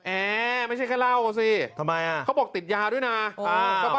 แอร์ไม่ใช่แค่เล่าสิทำไมอ่ะเขาบอกติดยาด้วยน่ะอ้าว